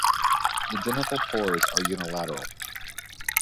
The genital pores are unilateral.